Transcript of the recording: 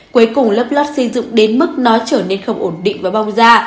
cuối cùng lấp lót xây dụng đến mức nó trở nên không ổn định và bong ra